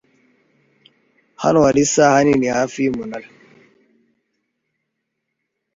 Hano hari isaha nini hafi yumunara.